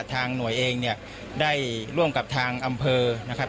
ทางหน่วยเองเนี่ยได้ร่วมกับทางอำเภอนะครับ